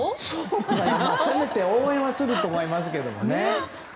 せめて応援はすると思いますけどね。